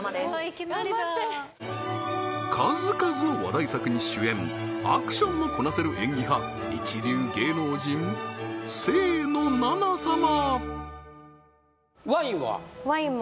いきなりだ数々の話題作に主演アクションもこなせる演技派一流芸能人清野菜名様ワインは？